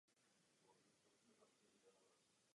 Středem vesnice prochází silnice.